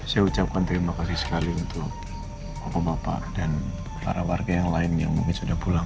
saya ucapkan terima kasih sekali untuk bapak bapak dan para warga yang lain yang mungkin sudah pulang